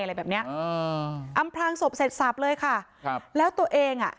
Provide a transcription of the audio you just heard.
อะไรแบบนี้อำพลังศพเสร็จสับเลยค่ะแล้วตัวเอง